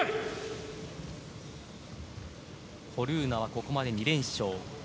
ホルーナはここまで２連勝。